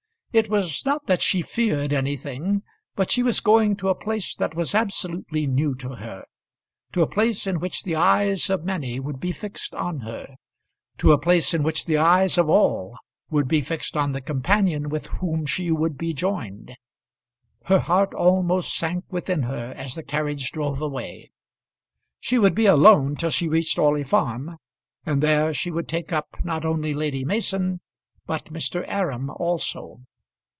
It was not that she feared anything, but she was going to a place that was absolutely new to her, to a place in which the eyes of many would be fixed on her, to a place in which the eyes of all would be fixed on the companion with whom she would be joined. Her heart almost sank within her as the carriage drove away. She would be alone till she reached Orley Farm, and there she would take up not only Lady Mason, but Mr. Aram also.